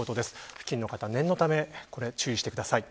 付近の方念のため注意してください。